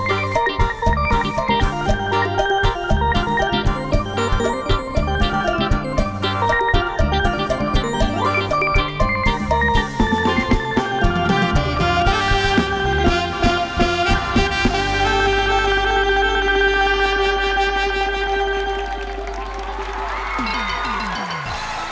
โอเค